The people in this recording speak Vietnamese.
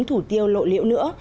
không còn nhiều lộ liệu nữa